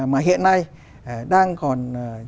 mà hiện nay đang còn